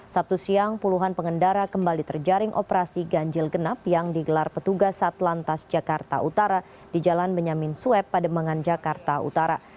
sabtu siang puluhan pengendara kembali terjaring operasi ganjil genap yang digelar petugas satlantas jakarta utara di jalan benyamin sueb pademangan jakarta utara